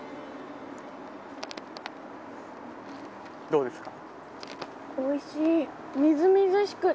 どうですか。